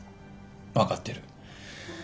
分かってる。